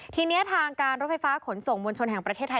ทีนี้ทางการรถไฟฟ้าขนส่งมวลชนแห่งประเทศไทย